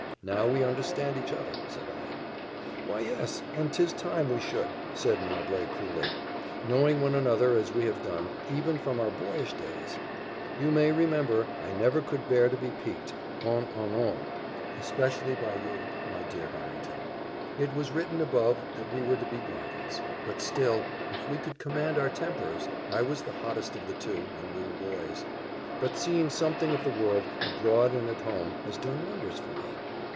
Now we understand each other," said I. "Why, yes and 'tis time we should," said Mowbray, coolly, "knowing one another, as we have done, even from our boyish days. You may remember, I never could bear to be piqued, en honneur; especially by you, my dear Harrington. It was written above, that we were to be rivals. But still, if we could command our tempers I was the hottest of the two, when we were boys; but seeing something of the world, abroad and at home, has done wonders for me.